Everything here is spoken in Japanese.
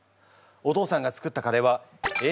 お父さんが作ったカレーはＡＢＣ